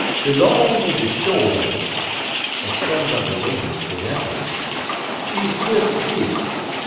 De long en de short un it," exclaimed Uncle Remus, with emphasis, "is des dis.